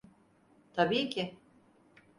Tabii ki.